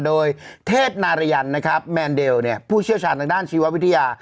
โดยเทศนารยันนะครับแมนเดลผู้เชี่ยวชาญทางด้านชีววิทยา